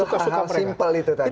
hal hal simple itu tadi